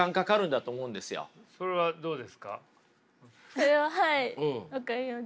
それははい分かります。